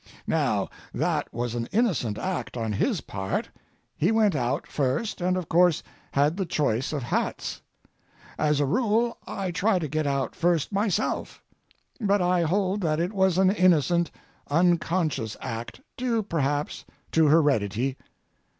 Now, that was an innocent act on his part. He went out first, and of course had the choice of hats. As a rule I try to get out first myself. But I hold that it was an innocent, unconscious act, due, perhaps, to heredity.